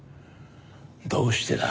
どうしてだ？